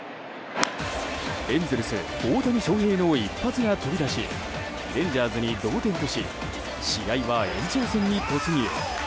エンゼルス、大谷翔平の一発が飛び出しレンジャーズに同点とし試合は延長戦に突入。